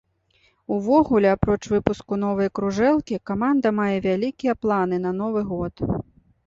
Увогуле, апроч выпуску новай кружэлкі, каманда мае вялікія планы на новы год.